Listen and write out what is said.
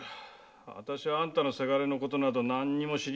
私はあんたのせがれのことなど何も知りませんけどね。